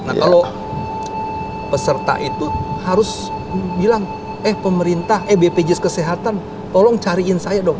nah kalau peserta itu harus bilang eh pemerintah eh bpjs kesehatan tolong cariin saya dong